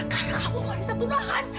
karena kamu mau diseputlahan